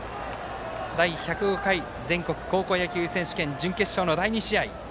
第１０５回全国高校野球選手権準決勝の第２試合。